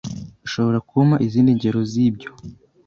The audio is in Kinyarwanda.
Ushobora kumpa izindi ngero zibyo?